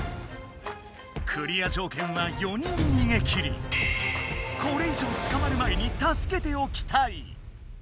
クリア条件はこれ以上つかまる前に助けておきたい。